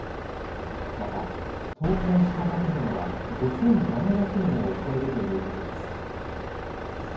また倒壊した建物は５７００棟を超えるということです。